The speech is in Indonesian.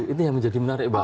itu yang menjadi menarik mbak